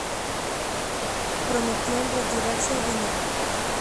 Prometió retirarse en el Dragón.